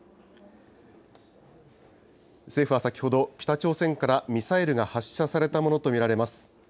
政府は先ほど、北朝鮮からミサイルが発射されたものと見られます。